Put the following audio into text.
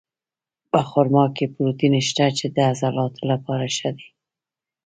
په خرما کې پروټین شته، چې د عضلاتو لپاره ښه دي.